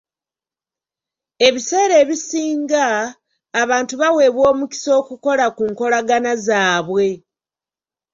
Ebiseera ebisinga, abantu baweebwa omukisa okukola ku nkolagana zaabwe.